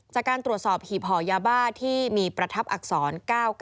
จากการตรวจสอบหีบห่อยาบ้าที่มีประทับอักษร๙๙